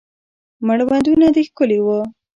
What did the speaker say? مړوندونه دې ښکلي وه